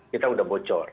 kita sudah bocor